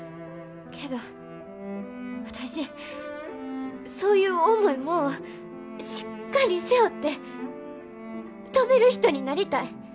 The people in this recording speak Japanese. けど私そういう重いもんをしっかり背負って飛べる人になりたい。